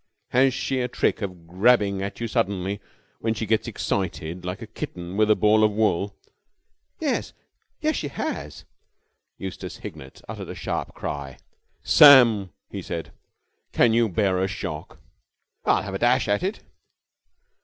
"Has she a trick of grabbing at you suddenly, when she gets excited, like a kitten with a ball of wool?" "Yes. Yes, she has." Eustace Hignett uttered a sharp cry. "Sam," he said, "can you bear a shock?" "I'll have a dash at it."